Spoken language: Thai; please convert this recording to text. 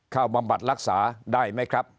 บำบัดรักษาได้ไหมครับ